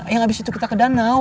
yang abis itu kita ke danau